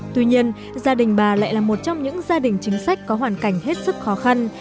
tuy nhiên gia đình bà lại là một trong những gia đình chính sách có hoàn cảnh hết sức khó khăn